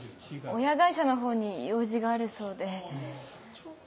親会社のほうに用事があるそうで。